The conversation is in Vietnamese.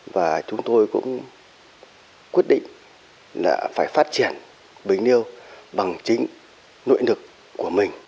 và chúng tôi cũng quyết định là phải phát triển bình liêu bằng chính nội lực của mình